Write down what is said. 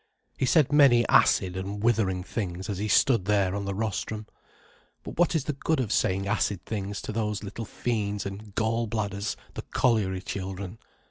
He said many acid and withering things, as he stood there on the rostrum. But what is the good of saying acid things to those little fiends and gall bladders, the colliery children.